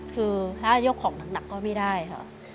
คือถ้ายกของหนักก็ไม่ได้ค่ะ